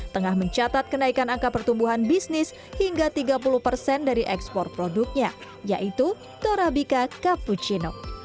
tengah mencatat kenaikan angka pertumbuhan bisnis hingga tiga puluh persen dari ekspor produknya yaitu torabica cappuccino